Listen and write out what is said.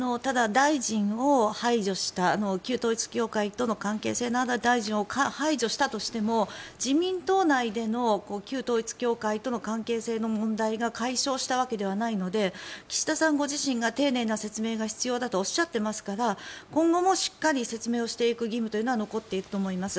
大臣を排除した旧統一教会との関係性のある大臣を排除したとしても自民党内での旧統一教会との関係性の問題が解消したわけではないので岸田さんご自身が丁寧な説明が必要だとおっしゃっていますから今後もしっかり説明をしていく義務は残っていくと思います。